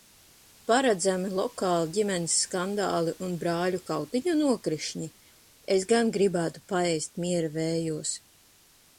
Paredzami lokāli ģimenes skandāli un brāļu kautiņu nokrišņi? Es gan gribētu paēst miera vējos!